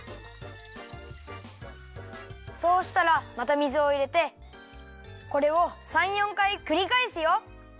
そうしたらまた水をいれてこれを３４かいくりかえすよ。